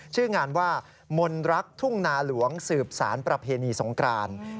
ชื่องานว่ามนรักทุ่งนาหลวงสืบสารประเพณีสงกราน